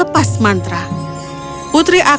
tetherhood menerima mantra yang telah diberikan oleh putri agnes